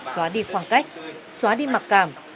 xóa đi khoảng cách xóa đi mặc cảm